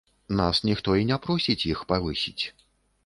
Нас ніхто і не просіць іх павысіць.